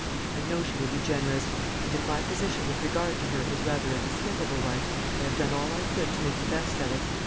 I know she will be generous; and if my position with regard to her is rather a despicable one, I have done all I could to make the best of it.